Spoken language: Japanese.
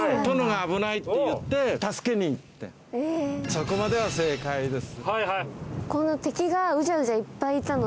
そこまでは正解です。